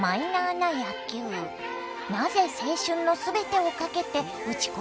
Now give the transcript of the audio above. なぜ青春の全てをかけて打ち込んできたのか。